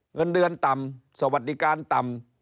เงินเดือนต่ำสวัสดิการต่ำ